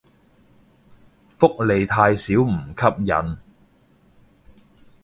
福利太少唔吸引